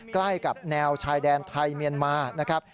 ใกล้กับแนวชายแดนไทยเมียนมานะครับ